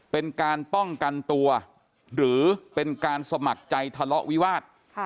เป็นการป้องกันตัวหรือเป็นการสมัครใจทะเลาะวิวาส